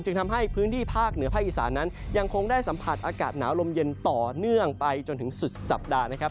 จึงทำให้พื้นที่ภาคเหนือภาคอีสานนั้นยังคงได้สัมผัสอากาศหนาวลมเย็นต่อเนื่องไปจนถึงสุดสัปดาห์นะครับ